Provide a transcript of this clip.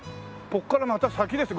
ここからまた先です。